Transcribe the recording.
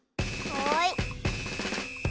はい。